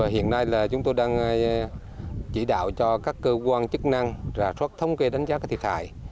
hiện nay chúng tôi đang chỉ đạo cho các cơ quan chức năng ra thuốc thông kê đánh giá thiệt hại